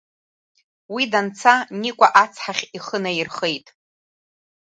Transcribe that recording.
Уи данца, Никәа ацҳахь ихы наирхеит.